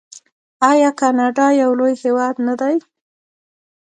آیا کاناډا یو لوی هیواد نه دی؟